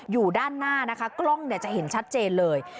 อยู่ด้านหน้านะคะกล้องเนี่ยจะเห็นชัดเจนเลย